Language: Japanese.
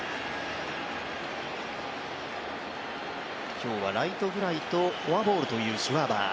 今日はライトフライとフォアボールというシュワーバー。